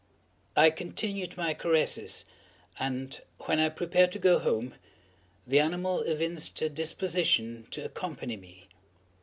I continued my caresses, and, when I prepared to go home, the animal evinced a disposition to accompany me.